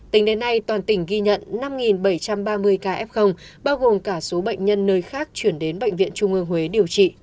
tính đến nay toàn tỉnh ghi nhận năm bảy trăm ba mươi ca f bao gồm cả số bệnh nhân nơi khác chuyển đến bệnh viện trung ương huế điều trị